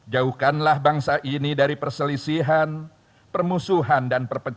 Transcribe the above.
jauhkanlah bangsa ini dari perselisihan permusuhan dan perpecahan